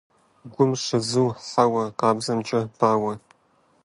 Гум щызу хьэуа къабзэмкӀэ бауэ.